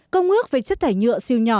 công ước về chất thải nhựa siêu nhỏ